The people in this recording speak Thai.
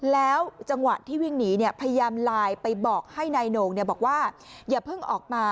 แล้วจังหวะที่วิ่งหนีพยายามลายไปบอกให้นายโหน่ง